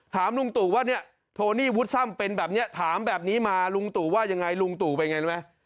ลุงตู่ว่าเนี่ยโทนี่วุฒซ่ำเป็นแบบนี้ถามแบบนี้มาลุงตู่ว่ายังไงลุงตู่เป็นไงรู้ไหม